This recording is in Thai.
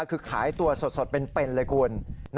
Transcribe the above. คือขายตัวสดเป็นเลยคุณ